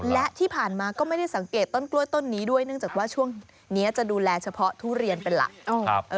และที่ผ่านมาก็ไม่ได้สังเกตต้นกล้วยต้นนี้ด้วยเนื่องจากว่าช่วงนี้จะดูแลเฉพาะทุเรียนเป็นหลัก